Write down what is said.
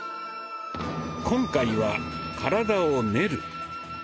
今回は「体を練る」。